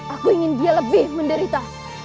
aku ingin dia lebih menderita